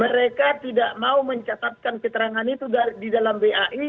mereka tidak mau mencatatkan keterangan itu di dalam kata kata kami